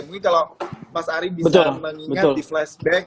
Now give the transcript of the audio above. mungkin kalau mas ari bisa mengingat di flashback